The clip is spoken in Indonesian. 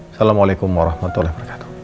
assalamualaikum warahmatullahi wabarakatuh